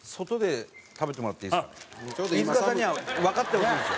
飯塚さんにはわかってほしいんですよ。